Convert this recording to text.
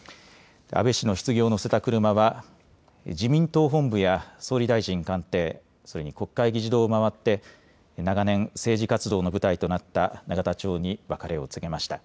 安倍氏のひつぎを乗せた車は自民党本部や総理大臣官邸、それに国会議事堂を回って長年、政治活動の舞台となった永田町に別れを告げました。